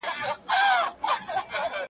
په ژوندوني سو کمزوری لکه مړی ,